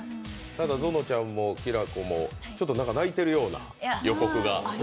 ただゾノちゃんもきらこも泣いているような予告が。